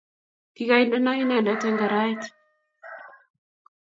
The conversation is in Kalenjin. kigaindeno inendet eng karait